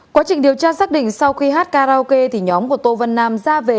quá trình điều tra xác định sau khi hát karaoke thì nhóm của tô văn nam ra về